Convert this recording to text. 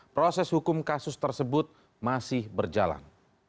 proses hukum kasus tersebut masih berjalan